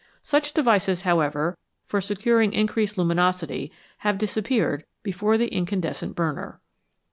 Such devices, however, for securing increased luminosity have disappeared before the incandescent burner.